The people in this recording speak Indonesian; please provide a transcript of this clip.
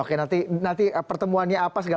oke nanti pertemuannya apa